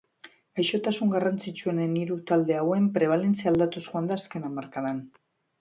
Gaixotasun garrantzitsuenen hiru talde hauen prebalentzia aldatuz joan da azken hamarkadan.